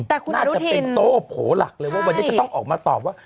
แต่คุณน่าจะเป็นโต้โผล่หลักเลยว่าวันนี้จะต้องออกมาตอบว่า